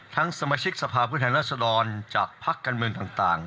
ทั้งสมาชิกสภาพฤทธินาศดรจากภักดิ์กันเมืองต่าง